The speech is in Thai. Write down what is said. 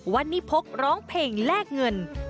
วันนี้พกร้องเพลงแลกเงิน